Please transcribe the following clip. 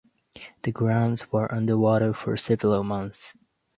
The grounds were under water for several months.